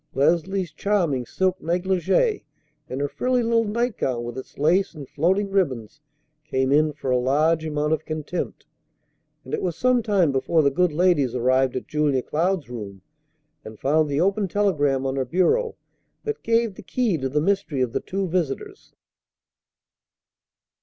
Leslie's charming silk negligée and her frilly little nightgown with its lace and floating ribbons came in for a large amount of contempt, and it was some time before the good ladies arrived at Julia Cloud's room and found the open telegram on her bureau that gave the key to the mystery of the two visitors.